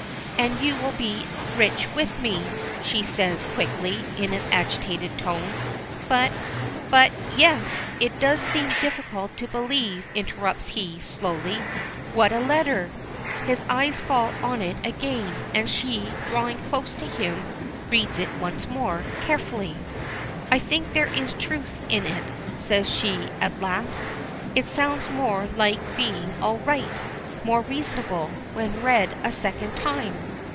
"And you will be rich with me," she says, quickly, in an agitated tone. "But, but " "Yes; it does seem difficult to believe," interrupts he, slowly. "What a letter!" His eyes fall on it again, and she, drawing close to him, reads it once more, carefully. "I think there is truth in it," says she, at last. "It sounds more like being all right, more reasonable, when read a second time.